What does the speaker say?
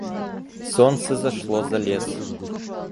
Солнце зашло за лес.